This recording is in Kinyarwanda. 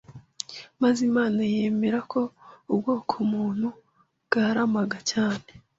Maze Imana yemera ko ubwoko muntu bwaramaga cyane